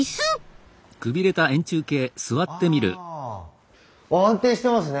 あ安定していますね。